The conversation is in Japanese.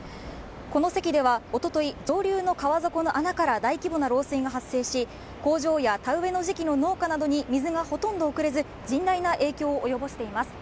このせきではおととい、上流の川底の穴から大規模な漏水が発生し工場や田植えの時期の農家などに水がほとんど送れず甚大な影響を及ぼしています。